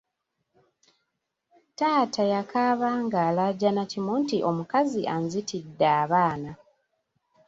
Taata yakaaba ng’alaajana kimu nti omukazi anzitidde abaana.